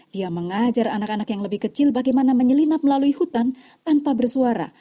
dia mengajar anak anak yang lebih kecil bagaimana menyelinap melalui hutan tanpa bersuara